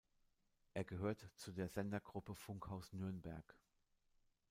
Er gehört zu der Sendergruppe Funkhaus Nürnberg.